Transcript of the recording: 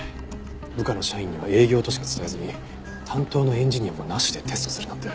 部下の社員には営業としか伝えずに担当のエンジニアもなしでテストするなんて。